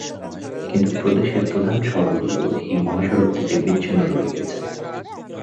কিন্তু প্রদেশের প্রধান শহরগুলো এই মহাসড়ক থেকে বিচ্ছিন্ন রয়ে গেছে।